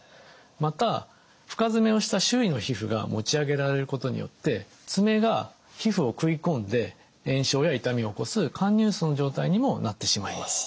また深爪をした周囲の皮膚が持ち上げられることによって爪が皮膚をくいこんで炎症や痛みを起こす陥入爪の状態にもなってしまいます。